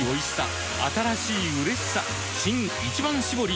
新「一番搾り」